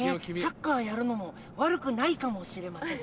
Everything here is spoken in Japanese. サッカーやるのも悪くないかもしれません。